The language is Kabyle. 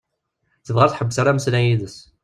Tebɣa ur tḥebbes ara ameslay yid-s.